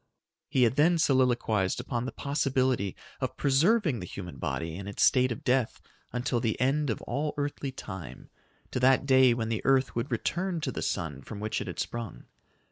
] He had then soliloquized upon the possibility of preserving the human body in its state of death until the end of all earthly time to that day when the earth would return to the sun from which it had sprung.